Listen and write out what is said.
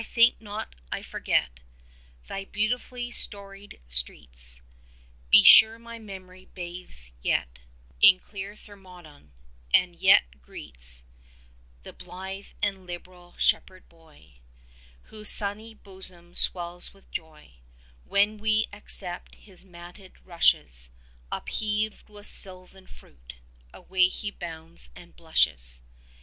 think not I forget Thy beautifully storied streets; Be sure my memory bathes yet In clear Thermodon, and yet greets The blithe and liberal shepherd boy, 5 Whose sunny bosom swells with joy When we accept his matted rushes Upheaved with sylvan fruit; away he bounds and blushes.